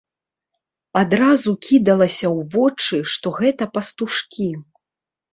Адразу кідалася ў вочы, што гэта пастушкі.